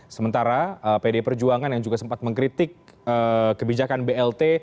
sementara pd perjuangan yang juga sempat mengkritik kebijakan blt